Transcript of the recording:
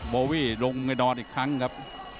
โบวี่ลงในดอนอีกครั้งครับ